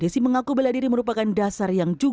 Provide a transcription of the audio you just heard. desi mengaku bela diri merupakan dasar yang cukup